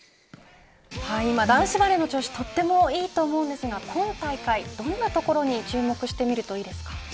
今、男子バレーの調子とってもいいと思うんですが今大会、どんなところに注目して見るといいですか。